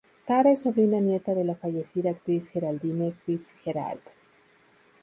Tara es sobrina-nieta de la fallecida actriz Geraldine Fitzgerald.